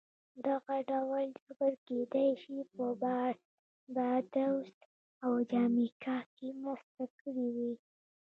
دغه ډول جبر کېدای شي په باربادوس او جامیکا کې مرسته کړې وي